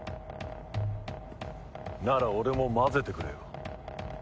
なら俺も交ぜてくれよ。